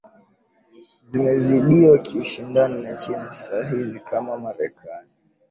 zimezidiwa kiushindani na china saa hizi kama marekani